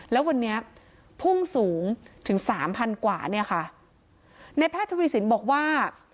แล้ววันนี้พุ่งสูงถึง๓๐๐๐กว่าในแพทย์ธรรมดิสินบอกว่า